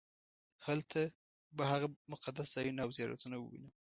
هلته به هغه مقدس ځایونه او زیارتونه ووینم.